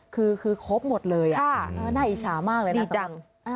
คือครบหมดเลยได้อิชามากเลยนะ